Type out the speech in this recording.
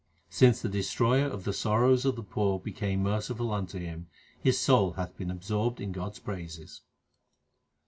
Since the Destroyer of the sorrows of the poor became merciful unto him, his soul hath been absorbed in God s praises.